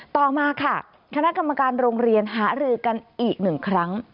ต่อมาค่ะคณะกรรมการโรงเรียนหารือกันอีกหนึ่งครั้ง